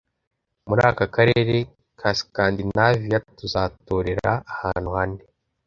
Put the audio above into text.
Muri aka karere ka Skandinavia tuzatorera ahantu hane